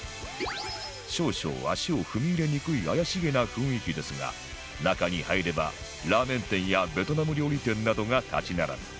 少々足を踏み入れにくい怪しげな雰囲気ですが中に入ればラーメン店やベトナム料理店などが立ち並び